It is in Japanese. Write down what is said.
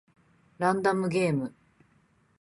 ランダムゲーム